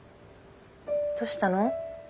どうしたの？